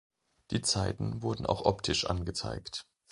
Die Zeiten wurden auch optisch angezeigt.